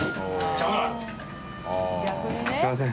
すみません。